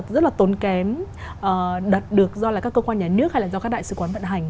rất là tốn kém đặt được do là các cơ quan nhà nước hay là do các đại sứ quán vận hành